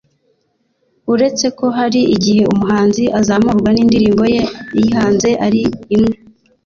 uretse ko hari igihe umuhanzi azamurwa n’indirimbo ye ayihanze ari imwe